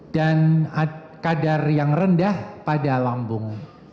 dan kadar yang rendah pada lambung